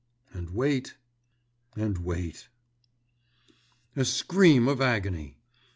And wait. And wait.... A scream of agony!